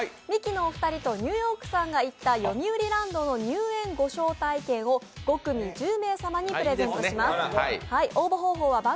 ミキのお二人とニューヨークさんが行ったよみうりランドの入園ご招待券を５組１０名様にプレゼントします。